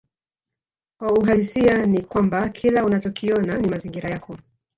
Kwa uhalisia ni kwamba kila unachokiona ni mazingira yako